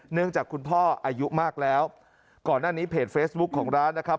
เนื่องจากคุณพ่ออายุมากแล้วก่อนหน้านี้เพจเฟซบุ๊คของร้านนะครับ